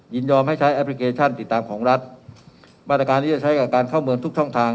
ยอมให้ใช้แอปพลิเคชันติดตามของรัฐมาตรการที่จะใช้กับการเข้าเมืองทุกช่องทาง